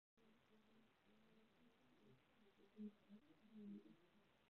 易贡紫柄蕨为金星蕨科紫柄蕨属下的一个种。